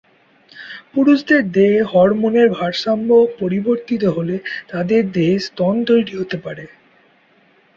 পুরুষদের দেহে হরমোনের ভারসাম্য পরিবর্তিত হলে তাদের দেহে স্তন তৈরি হতে পারে।